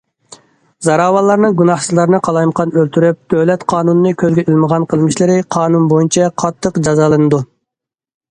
زوراۋانلارنىڭ گۇناھسىزلارنى قالايمىقان ئۆلتۈرۈپ، دۆلەت قانۇنىنى كۆزگە ئىلمىغان قىلمىشلىرى قانۇن بويىچە قاتتىق جازالىنىدۇ.